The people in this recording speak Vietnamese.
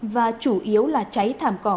và chủ yếu là cháy thảm cỏ